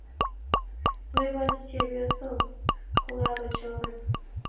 mebolchi chepyosoo kokakochokan